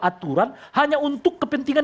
aturan hanya untuk kepentingan